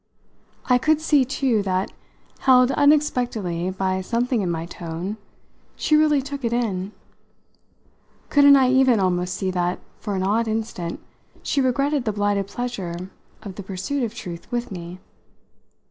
I could see too that, held unexpectedly by something in my tone, she really took it in. Couldn't I even almost see that, for an odd instant, she regretted the blighted pleasure of the pursuit of truth with me?